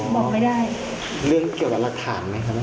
บอกไม่ได้เรื่องเกี่ยวกับรักฐานไหมครับ